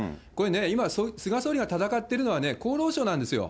今、菅総理が戦ってるのは厚労省なんですよ。